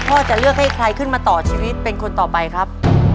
พ่อจะเลือกให้ใครขึ้นมาต่อชีวิตเป็นคนต่อไปครับ